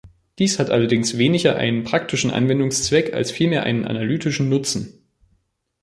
Dies hat allerdings weniger einen praktischen Anwendungszweck als vielmehr einen analytischen Nutzen.